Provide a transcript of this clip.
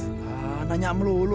tidak tanya melulu